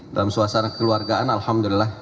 dalam suasana kekeluargaan alhamdulillah